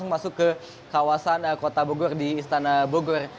masuk ke kawasan kota bogor di istana bogor